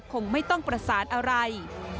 คงไม่ต้องประสานอะไร